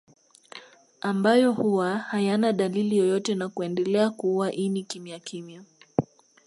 Ambayo huwa hayana dalili yoyote na kuendelea kuua ini kimyakimya